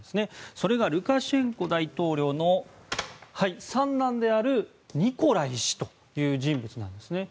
それがルカシェンコ大統領の三男であるニコライ氏という人物なんですね。